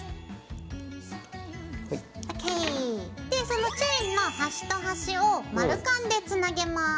でそのチェーンの端と端を丸カンでつなげます。